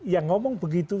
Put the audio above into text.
ya ngomong begitu